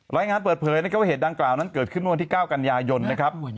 รายงานเปิดเผยก็เห็นดังกล่าวนั้นเกิดขึ้นวันที่๙กันยายนนะครับ